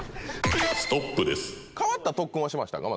変わった特訓はしましたか？